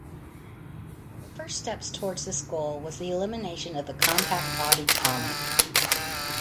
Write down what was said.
The first step towards this goal was the elimination of the compact-bodied Comet.